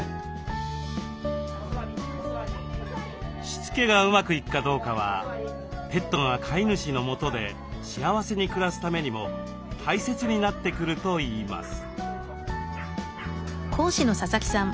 しつけがうまくいくかどうかはペットが飼い主のもとで幸せに暮らすためにも大切になってくるといいます。